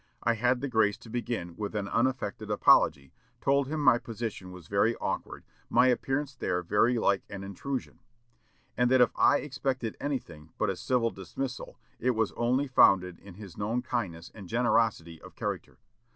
I had the grace to begin with an unaffected apology, told him my position was very awkward, my appearance there very like an intrusion; and that if I expected anything but a civil dismission, it was only founded in his known kindness and generosity of character.